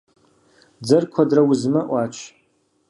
Дзэр куэдрэ узмэ — Ӏуач.